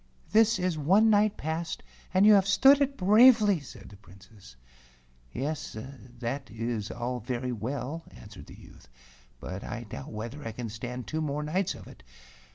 "That is one night passed, and you have stood it bravely," said the Princess. "Yes, that is all very well," answered the Youth, " but I doubt whether I can stand two 185 A DEMON OF THE MOUNTAIN more nights of it.